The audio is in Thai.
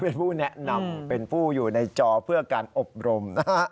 เป็นผู้แนะนำเป็นผู้อยู่ในจอเพื่อการอบรมนะฮะ